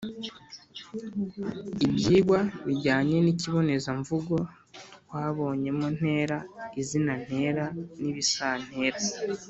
ibyigwa bijyanye n’ikibonezamvugo twabonyemo ntera, izina ntera n’ibisantera.